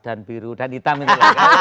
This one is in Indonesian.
dan biru dan hitam itu